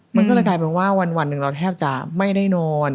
มันก็เลยกลายเป็นว่าวันหนึ่งเราแทบจะไม่ได้นอน